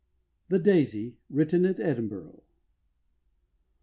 THE DAISY. WRITTEN AT EDINBURGH.